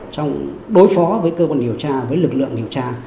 trong đối phó với cơ quan điều tra với lực lượng điều tra